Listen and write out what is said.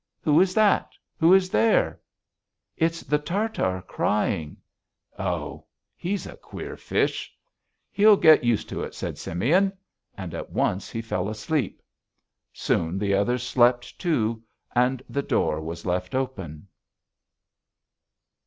"Who is that? Who is there?" "It's the Tartar crying." "Oh! he's a queer fish." "He'll get used to it!" said Simeon, and at once he fell asleep. Soon the others slept too and the door was left open.